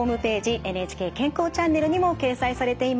ＮＨＫ健康チャンネルにも掲載されています。